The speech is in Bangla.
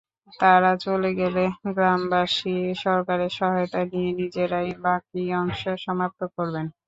তাঁরা চলে গেলে গ্রামবাসী সরকারের সহায়তা নিয়ে নিজেরাই বাকি অংশ সমাপ্ত করবেন।